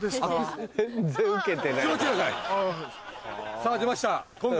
さぁ出ました。